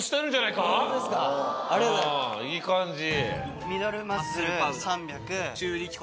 いい感じ！